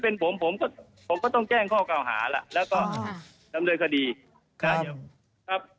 เหมือนหัวหมอเหรอครับ